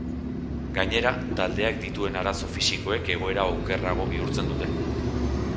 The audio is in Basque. Gainera, taldeak dituen arazo fisikoek egoera okerrago bihurtzen dute.